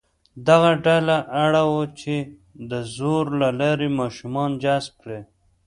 دغه ډله اړ وه چې د زور له لارې ماشومان جذب کړي.